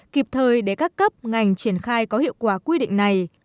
kịp thời để các cấp ngành triển khai có hiệu quả quy định này